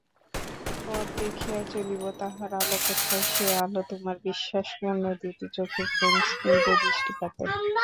পথ দেখিয়া চলিব, তাহার আলো কোথায়–সে আলো তোমার বিশ্বাসপূর্ণ দুটি চোখের প্রেমস্নিগ্ধ দৃষ্টিপাতে।